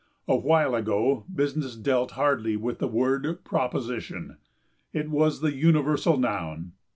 A while ago business dealt hardly with the word "proposition." It was the universal noun.